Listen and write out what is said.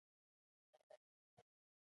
سرعت زاویه بدلېږي.